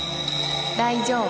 大丈夫？